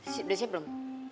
sudah siap belum